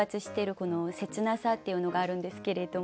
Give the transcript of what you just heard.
この切なさというのがあるんですけれども。